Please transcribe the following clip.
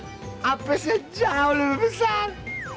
lebih besar jauh lebih besar